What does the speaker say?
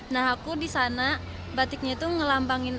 nah aku di sana batiknya itu ngelambangin